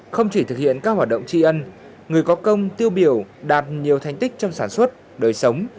không chỉ thực hiện các hoạt động tri ân người có công tiêu biểu đạt nhiều thành tích trong sản xuất đời sống